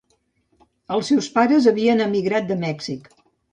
Els seus pares havien emigrat de Mèxic.